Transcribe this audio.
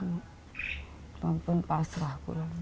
tidak itu pasrah